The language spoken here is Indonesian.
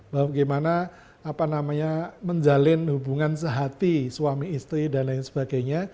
bagaimana menjalin hubungan sehati suami istri dan lain sebagainya